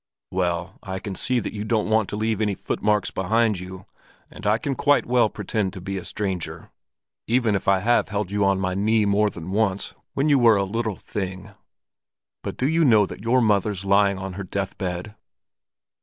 "Well, I can see that you don't want to leave any footmarks behind you, and I can quite well pretend to be a stranger, even if I have held you upon my knee more than once when you were a little thing. But do you know that your mother's lying on her deathbed?"